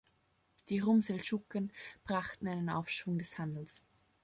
Die Rum-Seldschuken brachten einen Aufschwung des Handels.